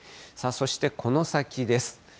そして、この先です。